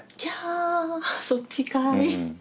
そっちかい。